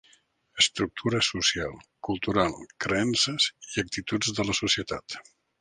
Estructura social, cultural, creences i actituds de la societat.